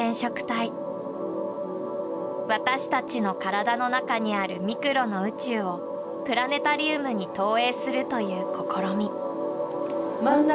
私たちの体の中にあるミクロの宇宙をプラネタリウムに投影するという試み。